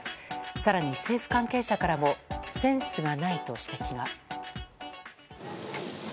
更に政府関係者からもセンスがないと指摘が。